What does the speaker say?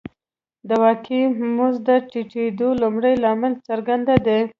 د واقعي مزد د ټیټېدو لومړنی لامل څرګند دی